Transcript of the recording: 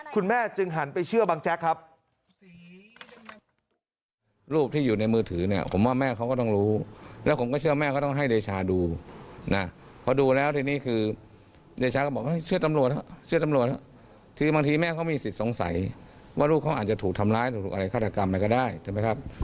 คุณแม่จึงหันไปเชื่อบังแจ๊กครับ